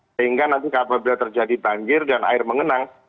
sehingga nanti kalau terjadi bangkir dan air mengenang